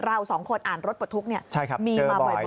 เราสองคนอ่านรถปลดทุกข์มีมาบ่อย